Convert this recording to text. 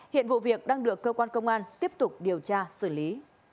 hiện vụ việc đang được cơ quan công an tiếp tục điều tra xử lý